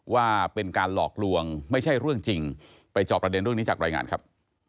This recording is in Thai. ว่าเป็นการหลอกลวงไม่ใช่เรื่องจริงไปจอบประเด็นเรื่องนี้จากรายงานครับ